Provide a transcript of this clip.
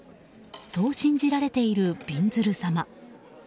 そう信じられているびんずる様。